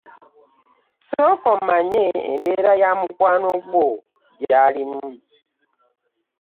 Ssooka omanye embeera ya mukwano gwo gyalimu.